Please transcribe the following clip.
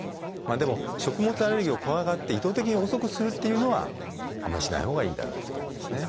でも食物アレルギーを怖がって意図的に遅くするっていうのはあんまりしないほうがいいだろうということですね。